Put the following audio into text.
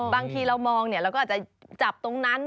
บางทีเรามองเราก็อาจจะจับตรงนั้น